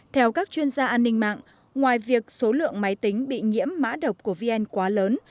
theo các chuyên gia an ninh mạng ngoài việc số lượng máy tính bị nhiễm mã độc của vn quá lớn